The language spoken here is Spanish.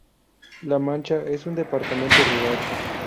La Mancha es un departamento rural.